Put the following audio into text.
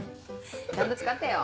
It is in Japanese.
ちゃんと使ってよ。